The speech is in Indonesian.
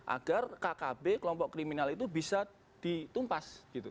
agar kkb kelompok kriminal itu bisa ditumpas